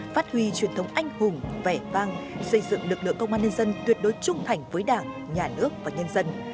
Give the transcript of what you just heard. phát huy truyền thống anh hùng vẻ vang xây dựng lực lượng công an nhân dân tuyệt đối trung thành với đảng nhà nước và nhân dân